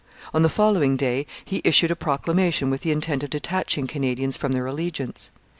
On the following day he issued a proclamation with the intent of detaching Canadians from their allegiance.